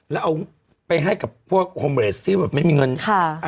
แล้วเอาไปให้กับพวกโฮมเรสที่แบบไม่มีเงิน